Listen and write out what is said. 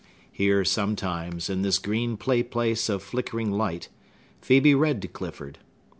Here, sometimes, in this green play place of flickering light, Phœbe read to Clifford.